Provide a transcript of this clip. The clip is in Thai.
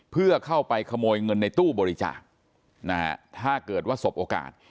เพื่อเข้าไปขโมยเงินในตู้บริจาคนะฮะถ้าเกิดว่าสบโอกาส